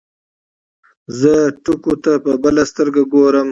زه ټوکو ته په بله سترګه ګورم.